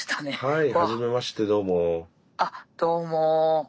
はい。